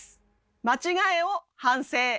「『間違え』を反省」。